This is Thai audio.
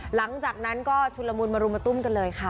หลังจากนั้นก็ชุนละมุนมารุมมาตุ้มกันเลยค่ะ